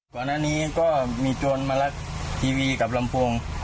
ก่อนหน้านี้ก็มีโจรมารัดทีวีกับลำโพง